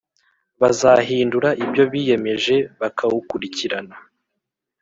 bazahindura ibyo biyemeje, bakawukurikirana.